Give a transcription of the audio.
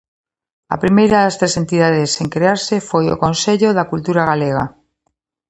A primeira das tres entidades en crearse foi o Consello da Cultura Galega.